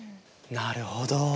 なるほど。